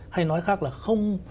hay nói khác là không